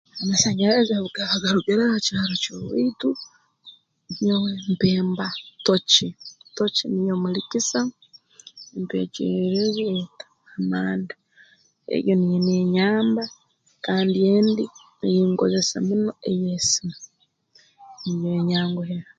Amasanyarazi obu gaba garugireho ha kyaro ky'owaitu nyowe mpemba toci toci niyo mulikisa empa ekyererezi ey'amanda egi niyo neenyamba kandi endi ei nkozesa muno ey'esimu niyo enyanguhira